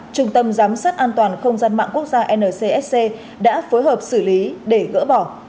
trung tâm giám sát an toàn không gian mạng quốc gia ncsc đã phối hợp xử lý để gỡ bỏ